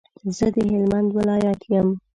زه د هلمند ولایت یم.